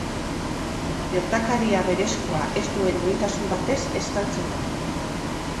Gertakaria berezkoa ez duen duintasun batez estaltzen da.